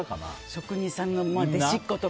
職人さんの弟子っ子とか。